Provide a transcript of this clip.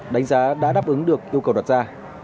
đánh giá đã đáp ứng được yêu cầu đặt ra